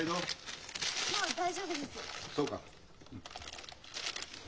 そうか。